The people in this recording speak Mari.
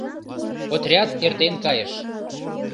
Отряд эртен кайыш.